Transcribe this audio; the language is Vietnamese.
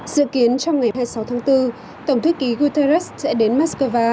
dự kiến trong ngày hai mươi sáu tháng bốn tổng thư ký guterres sẽ đến moscow